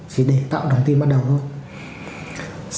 chỉ để tạo lòng tin ban đầu thôi